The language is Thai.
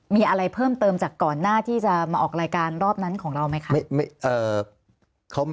มีอะไรเพิ่มเติมจากก่อนหน้าที่จะมาออกรายการรอบนั้นของเราไหมคะ